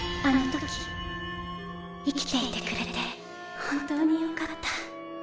あの時生きていてくれて本当に良かった。